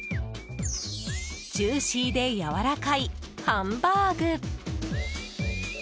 ジューシーでやわらかいハンバーグ。